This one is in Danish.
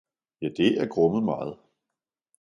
Ja det er grumme meget!